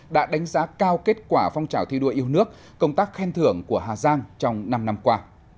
đã đánh giá cao kết quả phong trào thi đua yêu nước công tác khen thưởng của hà giang trong năm năm qua